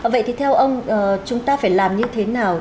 vậy thì theo ông chúng ta phải làm như thế nào